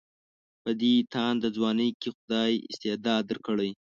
په دې تانده ځوانۍ کې خدای استعداد درکړی.